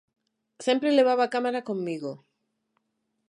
Sempre levaba a cámara comigo.